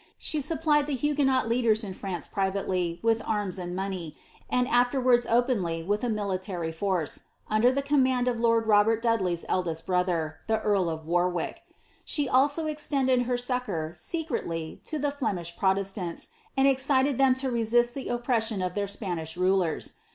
She supplied the Huguenot leaders in France privately with arms and money, and afterwards openly with a military force, under the command of lord Robert Dudley's eldest brother, the earl of Warwick.' She also extended her succour, secretly, to the Flemish Protestants, and excited them to resist the oppression of their Spanish rulers.